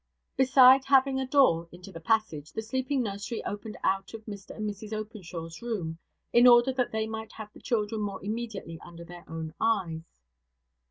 Beside having a door into the passage, the sleeping nursery opened out of Mr and Mrs Openshaw's room, in order that they might have the children more immediately under their own eyes.